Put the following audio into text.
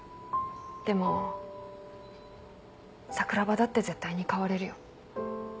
でも桜庭だって絶対に変われるよ。